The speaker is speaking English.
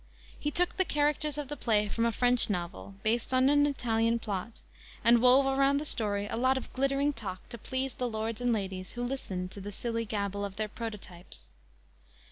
He took the characters of the play from a French novel, based on an Italian plot, and wove around the story a lot of glittering talk to please the lords and ladies who listened to the silly gabble of their prototypes.